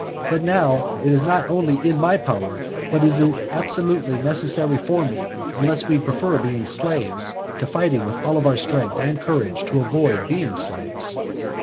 But now it is not only in my power, but it is absolutely necessary for me, unless we prefer being slaves to fighting with all our strength and courage to avoid being slaves.